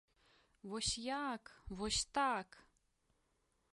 Вось як, вось так!